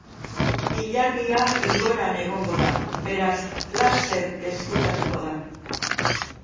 Ilargia ilgoran egongo da, beraz, laster ezkutatuko da.